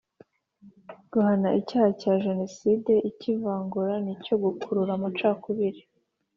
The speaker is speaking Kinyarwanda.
Guhana icyaha cya jenoside icy’ivangura n’icyo gukurura amacakubiri